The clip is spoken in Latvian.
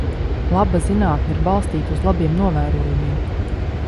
Laba zinātne ir balstīta uz labiem novērojumiem.